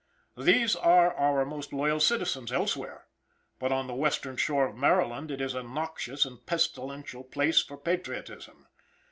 These are our most loyal citizens elsewhere, but the western shore of Maryland is a noxious and pestilential place for patriotism.